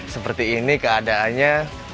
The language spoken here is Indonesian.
seperti ini keadaannya